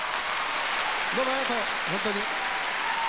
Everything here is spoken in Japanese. どうもありがとう本当に。